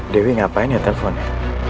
dewi ngapain ya teleponnya